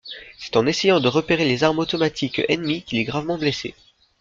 C'est en essayant de repérer les armes automatiques ennemies qu'il est gravement blessé.